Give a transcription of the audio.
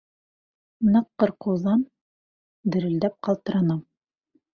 Ныҡ ҡурҡыуҙан дерелдәп ҡалтыранам.